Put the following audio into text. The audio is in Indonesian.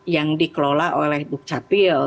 yang dikelola oleh duk capil